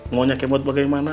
mau nyak kemot bagaimana